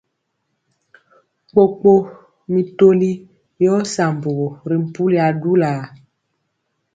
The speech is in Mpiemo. Kpokpo mi toli yɔɔ sambugu ri mpuli adulaa.